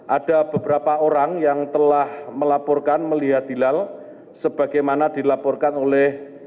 ada beberapa orang yang telah melaporkan melihat hilal sebagaimana dilaporkan oleh